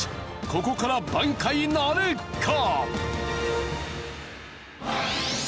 ここから挽回なるか！？